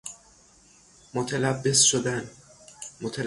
متلبس شدن